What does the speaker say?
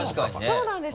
そうなんですよ！